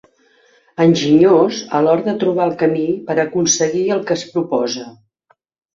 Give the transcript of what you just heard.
Enginyós a l'hora de trobar el camí per aconseguir el que es proposa.